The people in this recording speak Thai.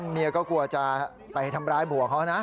เมียก็กลัวจะไปทำร้ายบัวเขานะ